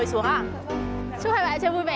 chúc hai bạn đi chơi vui vẻ